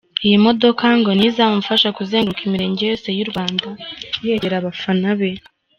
Iyi modoka ngo niyo izamufasha kuzenguruka imirenge yose y'u Rwanda, yegera abafana be.